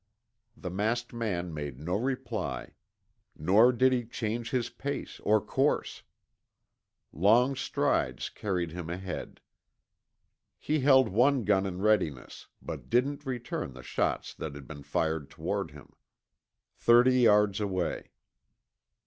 The masked man made no reply. Nor did he change his pace or course. Long strides carried him ahead. He held one gun in readiness, but didn't return the shots that had been fired toward him. Thirty yards away.